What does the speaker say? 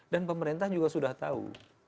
dan pemerintah juga sudah tahu